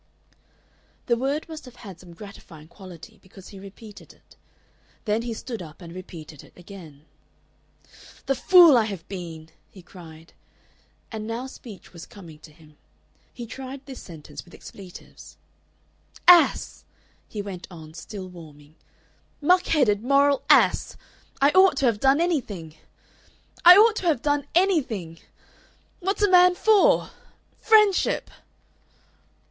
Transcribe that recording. The word must have had some gratifying quality, because he repeated it. Then he stood up and repeated it again. "The fool I have been!" he cried; and now speech was coming to him. He tried this sentence with expletives. "Ass!" he went on, still warming. "Muck headed moral ass! I ought to have done anything. "I ought to have done anything! "What's a man for? "Friendship!"